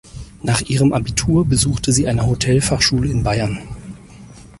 Nach ihrem Abitur besuchte sie eine Hotelfachschule in Bayern.